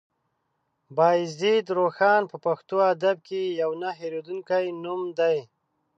بايزيد روښان په پښتو ادب کې يو نه هېرېدونکی نوم دی.